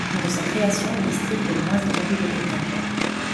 Lors de sa création, le district est le moins étendu de l'État.